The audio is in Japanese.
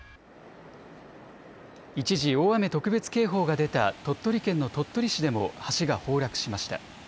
一時、大雨特別警報が出た鳥取県の鳥取市でも橋が崩落しました。